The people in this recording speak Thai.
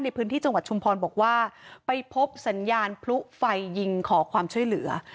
ในพื้นที่จังหวัดชุมพรบอกว่าไปพบสัญญาณพลุไฟยิงขอความช่วยเหลือ